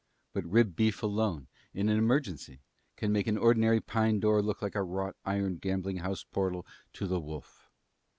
But rib beef alone, in an emergency, can make an ordinary pine door look like a wrought iron gambling house portal to the wolf.